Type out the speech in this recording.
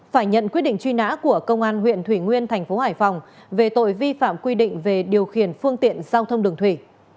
phải nhận quyết định truy nã của công an huyện thủy nguyên thành phố hải phòng về tội vi phạm quy định về điều khiển phương tiện giao thông đường thủy